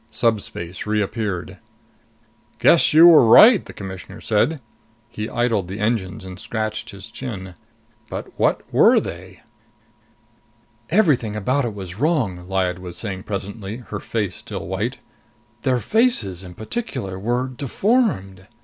Subspace reappeared. "Guess you were right!" the Commissioner said. He idled the engines and scratched his chin. "But what were they?" "Everything about it was wrong!" Lyad was saying presently, her face still white. "Their faces, in particular, were deformed!"